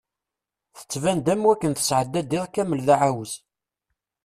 Tettban-d am wakken tesɛedda-d iḍ kamel d aɛawez.